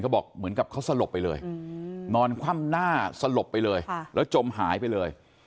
บอกเหมือนกับเขาสลบไปเลยนอนคว่ำหน้าสลบไปเลยแล้วจมหายไปเลย